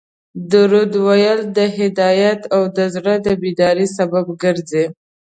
درود ویل د هدایت او د زړه د بیداري سبب ګرځي